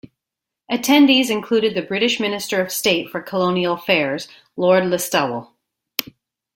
Attendees included the British Minister of State for Colonial Affairs, Lord Listowel.